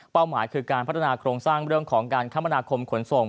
หมายคือการพัฒนาโครงสร้างเรื่องของการคมนาคมขนส่ง